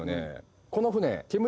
この船。